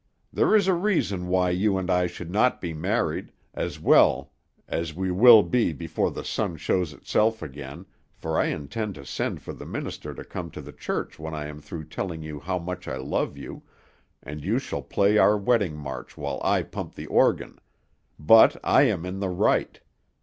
There is a reason why you and I should not be married as we will be before the sun shows itself again, for I intend to send for the minister to come to the church when I am through telling you how much I love you, and you shall play our wedding march while I pump the organ but I am in the right.